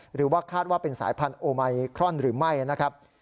หรือว่าคาดว่าเป็นสายพันธุ์ไมครอนหรือไม่นะครับ